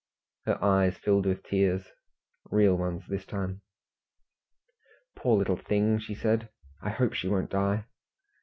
Her eyes filled with tears real ones this time. "Poor little thing," she said; "I hope she won't die."